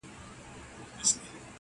دا پېغلتوب مي په غم زوړکې-